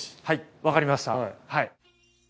はいわかりましたはい。